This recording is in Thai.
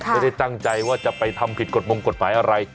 ไม่ได้ตั้งใจว่าจะไปทำผิดกฎมงกฎหมายอะไร